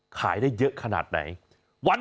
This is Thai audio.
ขายได้เยอะขนาดไหน